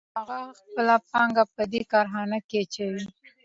نو هغه خپله پانګه په دې کارخانه کې اچوي